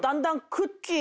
クッキー。